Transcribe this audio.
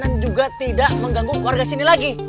dan juga tidak mengganggu keluarga sini lagi